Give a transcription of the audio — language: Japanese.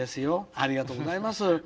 ありがとうございます。